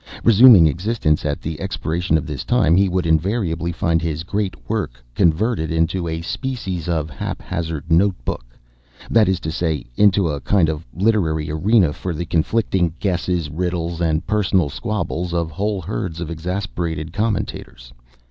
Resuming existence at the expiration of this time, he would invariably find his great work converted into a species of hap hazard note book—that is to say, into a kind of literary arena for the conflicting guesses, riddles, and personal squabbles of whole herds of exasperated commentators.